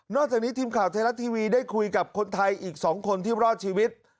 จากนี้ทีมข่าวไทยรัฐทีวีได้คุยกับคนไทยอีก๒คนที่รอดชีวิต